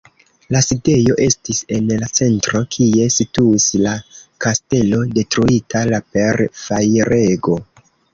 La sidejo estis en la centro, kie situis la kastelo, detruita la per fajrego.